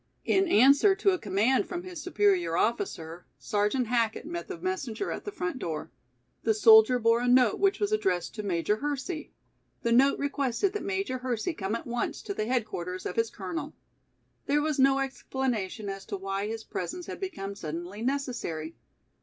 In answer to a command from his superior officer, Sergeant Hackett met the messenger at the front door. The soldier bore a note which was addressed to Major Hersey. The note requested that Major Hersey come at once to the headquarters of his Colonel. There was no explanation as to why his presence had become suddenly necessary.